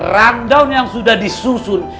rundown yang sudah disusun